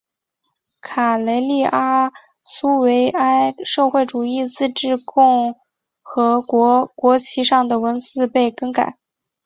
卡累利阿苏维埃社会主义自治共和国国旗上的文字被更改。